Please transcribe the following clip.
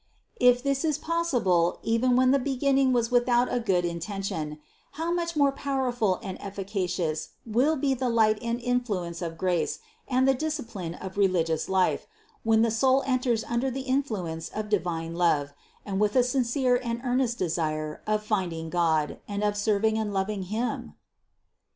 If this is possible even when the beginning was without a good intention, how much more powerful and efficacious will be the light and influence of grace and the discipline of religious life, when the soul enters under the influence of divine love and with a sincere and earnest desire of find ing God, and of serving and loving Him?